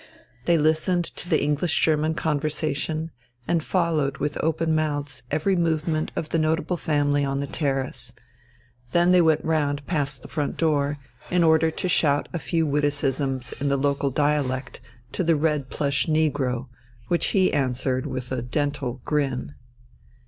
They listened to the English German conversation and followed with open mouths every movement of the notable family on the terrace. They then went round past the front door, in order to shout a few witticisms in the local dialect to the red plush negro, which he answered with a dental grin.